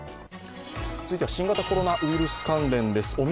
続いては新型コロナウイルス関連です。